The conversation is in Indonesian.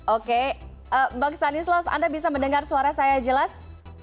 oke bang stanislas anda bisa mendengar suara saya jelas